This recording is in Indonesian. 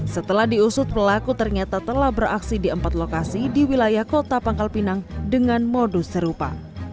setelah diusut pelaku ternyata telah beraksi di empat lokasi di wilayah kota pangkal pinang dengan modus serupa